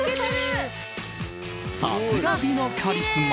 さすが美のカリスマ。